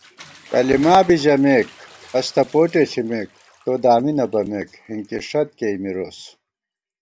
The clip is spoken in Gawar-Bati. کَلِما بی ژَمېک، ہستہ پوٹے ݪِمېک * تو دامی نہ بَمېک، ہِنکِݭَت کېئی مِروس